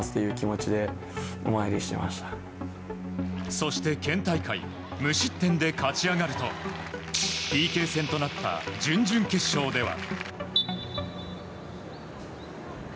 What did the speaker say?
そして、県大会無失点で勝ち上がるとＰＫ戦となった準々決勝では。